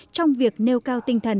trong việc nêu cao tinh thần